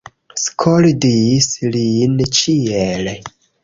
Skoldis lin ĉiel.